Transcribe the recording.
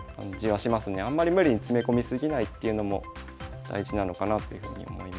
あんまり無理に詰め込み過ぎないっていうのも大事なのかなというふうに思います。